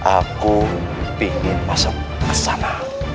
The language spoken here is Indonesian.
aku ingin masuk kesana